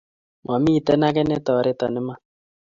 Mamiten age ne toreto iman